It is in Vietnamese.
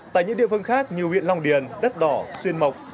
tại những địa phương khác như huyện long điền đất đỏ xuyên mộc